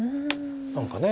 何か。